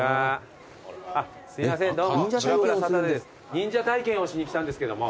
忍者体験をしに来たんですけども。